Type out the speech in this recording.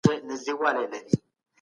د بشر نیکمرغي په څه کي ده؟